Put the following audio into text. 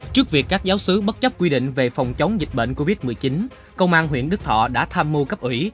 trước việc các giáo sứ bất chấp quy định về phòng chống dịch bệnh covid một mươi chín công an huyện đức thọ đã tham mưu cấp ủy